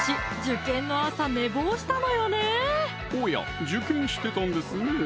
おや受験してたんですねぇ